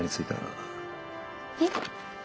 えっ？